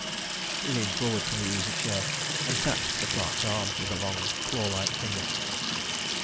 He leaned forward from the easy chair, and tapped the clerk's arm with a long, claw like finger.